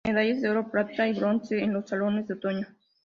Medallas de Oro, Plata y Bronce en los Salones de Otoño.